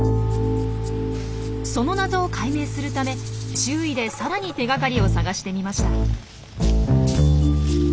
その謎を解明するため周囲でさらに手がかりを探してみました。